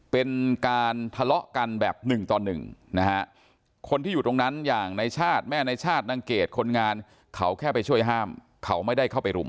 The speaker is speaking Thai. เป็นการทะเลาะกันแบบหนึ่งต่อหนึ่งนะฮะคนที่อยู่ตรงนั้นอย่างในชาติแม่ในชาตินางเกดคนงานเขาแค่ไปช่วยห้ามเขาไม่ได้เข้าไปรุม